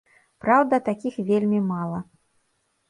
Праўда, такіх вельмі мала.